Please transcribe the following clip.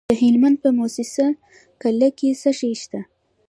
د هلمند په موسی قلعه کې څه شی شته؟